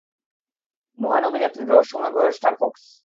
মহান অভিযাত্রী, রহস্যময় গ্রহের স্টারফক্স।